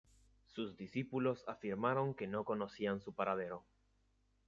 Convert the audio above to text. Sus discípulos afirmaron que no conocían su paradero.